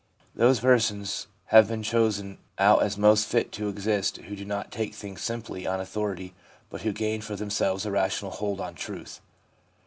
Those persons have been chosen out as most fit to exist who do not take things simply on authority, but who gain for themselves a rational hold on truth.